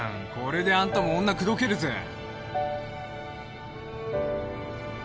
これであんたも女口説けるぜ。